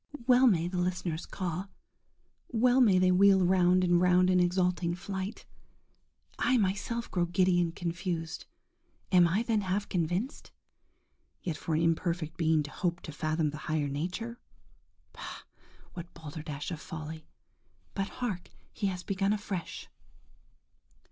–Well may the listeners caw! well may they wheel round and round in exulting flight. I myself grow giddy and confused. Am I then half convinced?–Yet for an imperfect being to hope to fathom the higher nature? Bah! what balderdash of folly! But hark, he has begun afresh.